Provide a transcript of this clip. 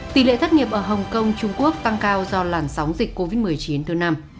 thất nghiệp ở hồng kông trung quốc tăng cao do làn sóng dịch covid một mươi chín thứ năm